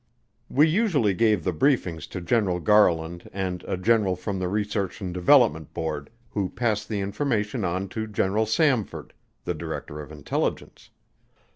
We usually gave the briefings to General Garland and a general from the Research and Development Board, who passed the information on to General Samford, the Director of Intelligence.